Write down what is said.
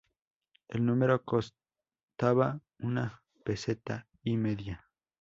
El número costaba una peseta y media.